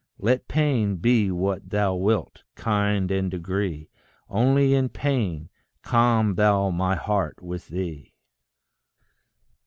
Let pain be what thou wilt, kind and degree, Only in pain calm thou my heart with thee.